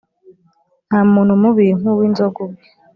Nta muntu mubi nk’uwizonga ubwe,